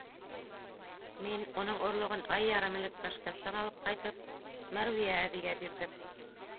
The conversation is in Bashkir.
Мин, уның орлоғон ай ярым элек Ташкенттан алып ҡайтып, Мәрвиә әбейгә бирҙем.